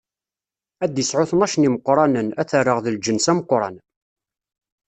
Ad d-isɛu tnac n imeqranen, ad t-rreɣ d lǧens ameqran.